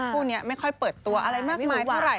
คู่นี้ไม่ค่อยเปิดตัวอะไรมากมายเท่าไห